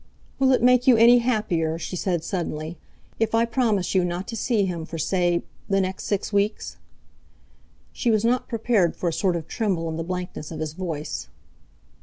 "Will it make you any happier," she said suddenly, "if I promise you not to see him for say—the next six weeks?" She was not prepared for a sort of tremble in the blankness of his voice.